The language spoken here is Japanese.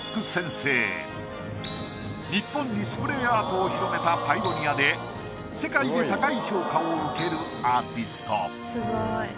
日本にスプレーアートを広めたパイオニアで世界で高い評価を受けるアーティスト。